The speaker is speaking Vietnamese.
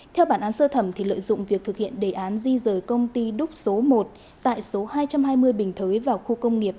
theo bản án sơ thẩm lợi dụng việc thực hiện đề án di rời công ty đúc số một tại số hai trăm hai mươi bình thới vào khu công nghiệp